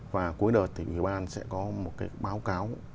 và cuối đợt thì ủy ban sẽ có một cái báo cáo